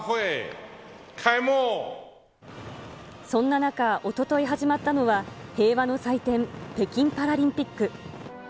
そんな中、おととい始まったのは平和の祭典、北京パラリンピック。